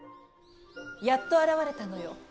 やっと現れたのよ